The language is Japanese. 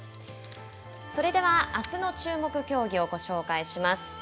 それではあすの注目競技をご紹介します。